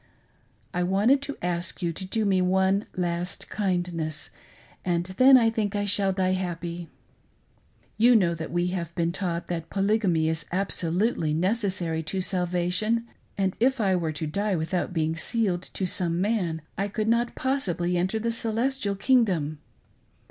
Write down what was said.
I wanted to ask you to do me one last kindness, and then I think I shall die happy. You know that we have been taught that Polygamy is absolutely necessary to salvation, and if I were to die without being sealed to some man I could not possibly enter the celestial kingdom.